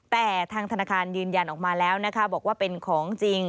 แต่ทางธนาคารยืนยันออกมาแล้วนะคะบอกว่าเป็นของจริง